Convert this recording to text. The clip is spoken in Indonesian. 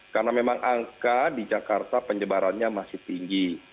karena memang angka di jakarta penyebarannya masih tinggi